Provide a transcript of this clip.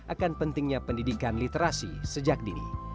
akan pentingnya pendidikan literasi sejak dini